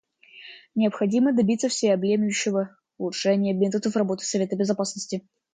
Необходимо добиться всеобъемлющего улучшения методов работы Совета Безопасности.